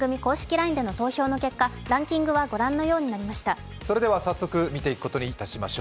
ＬＩＮＥでの投票の結果ランキングはご覧のようになりました。